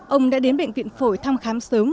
ông đã đến bệnh viện phổi thăm khám sớm